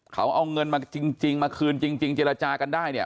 เขาเอาเงินมาจริงมาคืนจริงเจรจากันได้เนี่ย